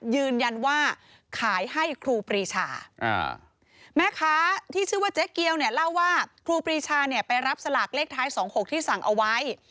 ยืนยันว่าขายให้ครูปรีชาแม่ค้าที่ชื่อว่าเจ๊เกียวเนี่ยเล่าว่าครูปรีชาเนี่ยไปรับสลากเลขท้าย๒๖ที่สั่งเอาไว้